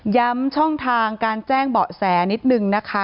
ช่องทางการแจ้งเบาะแสนิดนึงนะคะ